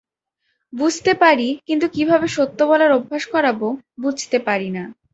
বুঝতে পারি কিন্তু কীভাবে সত্য বলার অভ্যাস করাব, বুঝতে পারি না।